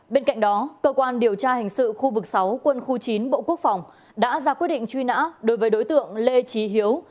bên cạnh đó cơ quan điều tra hình sự khu vực sáu quân khu chín bộ quốc phòng đã ra quyết định truy nã đối với đối tượng lê trí hiếu